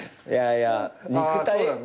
いやいや。